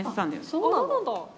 そうなんだ。